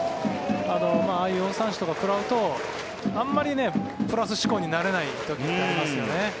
ああいう４三振とかを食らうとあまりプラス思考になれない時ってありますよね。